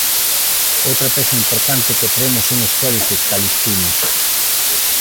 Outra peza importante que traemos son os códices calixtinos.